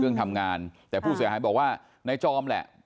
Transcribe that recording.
ทำงานแต่ผู้เสียหายบอกว่านายจอมแหละ